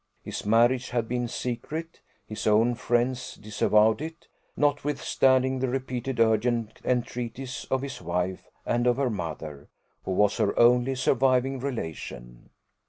His marriage had been secret: his own friends disavowed it, notwithstanding the repeated, urgent entreaties of his wife and of her mother, who was her only surviving relation.